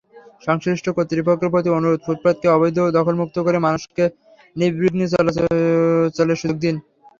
সংশ্লিষ্ট কর্তৃপক্ষের প্রতি অনুরোধ, ফুটপাতকে অবৈধ দখলমুক্ত করে মানুষকে নির্বিঘ্নে চলাচলেরসুযোগ দিন।